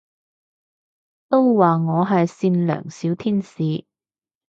都話我係善良小天使